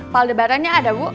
pak aldebaran ya ada bu